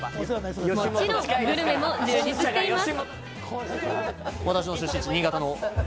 もちろんグルメも充実しています。